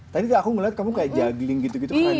tadi aku ngelihat kamu kayak jagling gitu gitu keren banget tuh